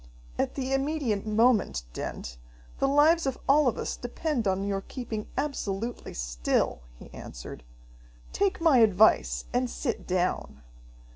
"At the immediate moment, Dent, the lives of all of us depend upon your keeping absolutely still," he answered. "Take my advice and sit down!"